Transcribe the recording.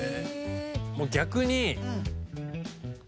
もう逆に。